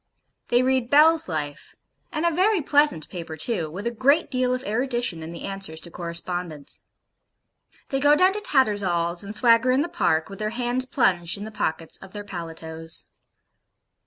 They read BELL'S LIFE (and a very pleasant paper too, with a great deal of erudition in the answers to correspondents). They go down to Tattersall's, and swagger in the Park, with their hands plunged in the pockets of their paletots.